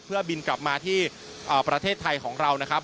เพื่อบินกลับมาที่ประเทศไทยของเรานะครับ